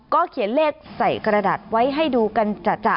เขียนเลขใส่กระดาษไว้ให้ดูกันจ่ะ